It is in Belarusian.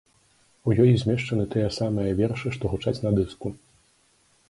У ёй змешчаны тыя самыя вершы, што гучаць на дыску.